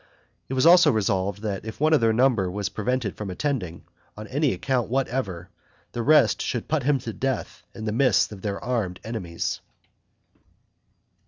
It was also resolved that if one of their number were prevented from attending, on any account whatever, the rest should put him to death in the midst of their armed enemies.